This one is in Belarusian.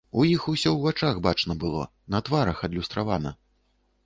У іх усё у вачах бачна было, на тварах адлюстравана!